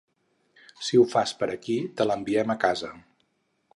Si ho fas per aquí te l'enviem a casa.